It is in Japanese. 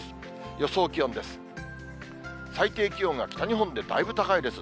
予想気温です。